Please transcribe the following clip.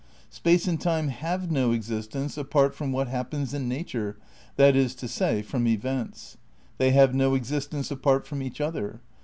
Space and time have no existence apart from what happens in nature, that is to say, from events. They have no existence apart from each other.